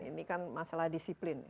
ini kan masalah disiplin